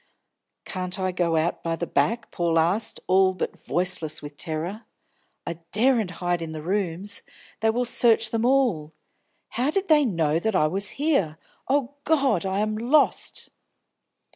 "Can't I go out by the back?" Paul asked, all but voiceless with terror. "I daren't hide in the rooms; they will search them all. How did they know that I was here? O God, I am lost!"